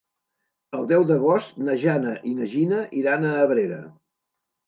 El deu d'agost na Jana i na Gina iran a Abrera.